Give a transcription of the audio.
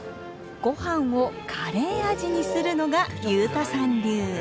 ごはんをカレー味にするのが裕太さん流。